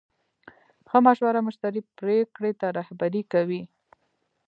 ښه مشوره مشتری پرېکړې ته رهبري کوي.